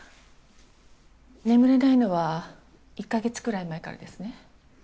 眠れないのは１か月くらい前からですね？